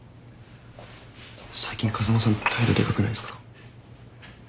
最近風間さん態度でかくないっすか？